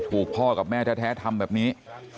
พ่อกับแม่แท้ทำแบบนี้